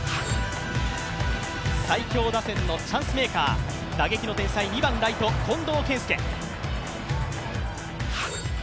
最強打線のチャンスメーカー、打撃の天才２番ライト、近藤健介。